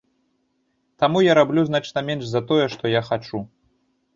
Таму я раблю значна менш за тое, што я хачу.